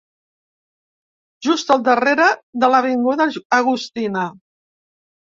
Just al darrere de l'avinguda Agustina.